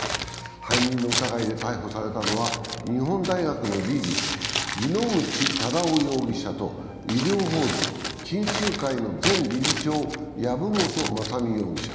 背任の疑いで逮捕されたのは日本大学の理事、井ノ口忠男容疑者と医療法人錦秀会の前理事長、籔本雅巳容疑者。